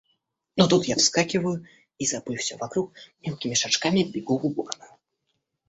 Но тут я вскакиваю и, забыв все вокруг, мелкими шажками бегу в уборную.